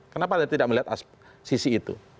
kenapa dia tidak melihat sisi itu